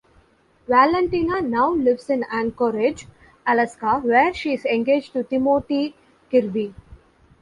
Valentina now lives in Anchorage, Alaska, where she is engaged to Timothy Kirby.